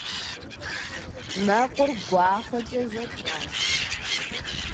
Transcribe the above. Мэкъур гуахъуэкӏэ зэтралъхьэ.